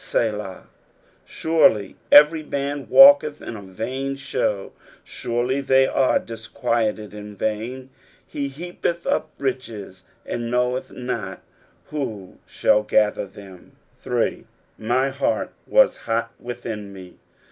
Selah. 6 Surely every man walketh in a vain shew : surely they are dis quieted in vain : he heapeth up riches, and knoweth not who shall gather them. 3. "My IttaH mu hot within me."